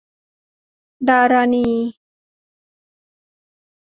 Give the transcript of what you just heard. ดารณี